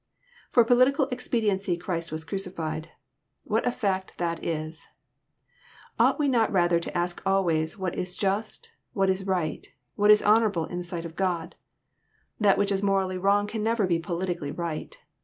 For political expediency Christ was crucified. What a fact that is I Ought we not rather to ask always what is Just, what is right, what is honourable in the sight of God? That which is morally wrong can never be politically right.